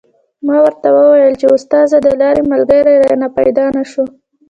ما ورته و ویل چې استاده د لارې ملګری رانه پیدا نه شو.